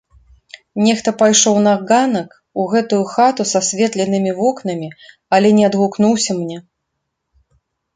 Нехта пайшоў на ганак, у гэтую хату з асветленымі вокнамі, але не адгукнуўся мне.